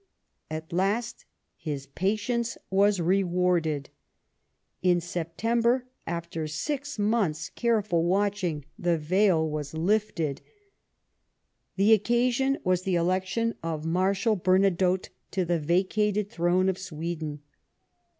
At last his patience was rewarded. In September, after six months' careful watching, the veil was lifted. 70 LIFE OF PBINCE METTEBNICH. The occasion was the election of Marshal Bernadotte to the vacated throne of Sweden.